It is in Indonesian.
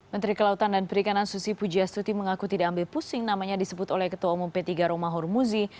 menteri kelautan dan perikanan susi pujiastuti mengaku tidak ambil pusing namanya disebut oleh ketua umum p tiga romahur muzi